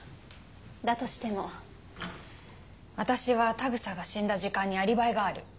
だとしても私は田草が死んだ時間にアリバイがある。